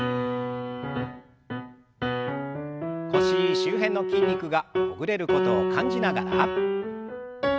腰周辺の筋肉がほぐれることを感じながら。